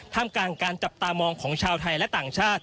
กลางการจับตามองของชาวไทยและต่างชาติ